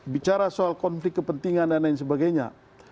bicara soal konflik kepentingan dan lain sebagainya